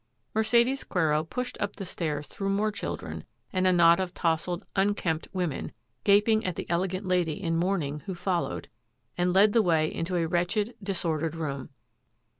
Mercedes Quero pushed up the stairs through more children and a knot of tousled, unkempt women, gaping at the elegant lady in mourning who followed, and led the way into a wretched, disordered room.